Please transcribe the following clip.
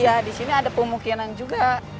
iya di sini ada pemukiman juga